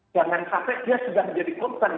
jangan sampai dia sudah menjadi korban